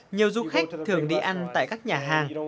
nhiều du khách thường đi ăn tại các nhà hàng